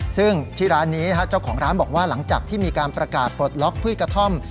ซึ่งที่ร้านนี้เจ้าของร้านบอกว่าหลังจากที่มีการประกาศปลดล็อกพืชกระท่อม